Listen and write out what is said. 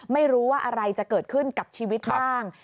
ไม่รู้ว่าอะไรจะเกิดขึ้นกับชีวิตบ้าง